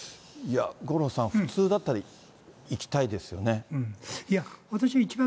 五郎さん、普通だったら、行きたいですよね。